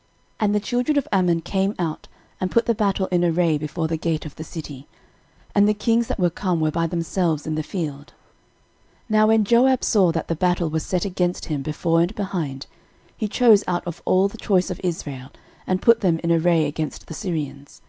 13:019:009 And the children of Ammon came out, and put the battle in array before the gate of the city: and the kings that were come were by themselves in the field. 13:019:010 Now when Joab saw that the battle was set against him before and behind, he chose out of all the choice of Israel, and put them in array against the Syrians.